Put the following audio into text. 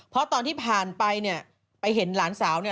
เพราะตอนที่ผ่านไปเนี่ยไปเห็นหลานสาวเนี่ย